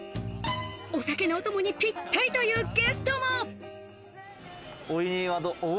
お酒のお供にぴったりというゲストも。